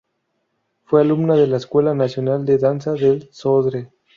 Fue alumna de la Escuela Nacional de Danza del Sodre.